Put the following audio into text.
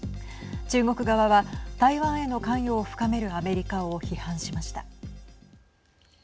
中国側は台湾への関与を深めるアメリカを批判しました。